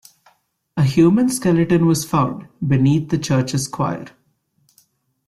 A human skeleton was found beneath the Church's choir.